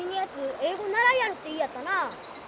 英語習いやるて言いやったな。